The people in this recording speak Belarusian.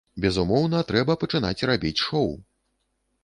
Безумоўна, трэба пачынаць рабіць шоў!